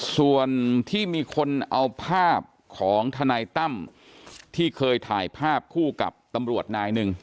ส่วนที่มีคนเอาภาพของทนายตั้มที่เคยถ่ายภาพคู่กับตำรวจนายหนึ่ง